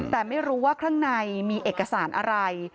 แต่ไม่รู้ว่าข้างในมีเอกสารอะไร